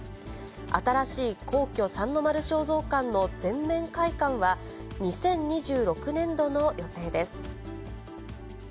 新しい皇居三の丸尚蔵館の全面開館は、２０２６年度の予定です。